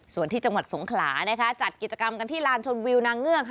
ส่วนที่จังหวัดสงขลานะคะจัดกิจกรรมกันที่ลานชนวิวนางเงือก